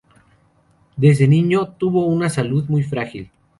Desde niño tuvo una salud muy frágil.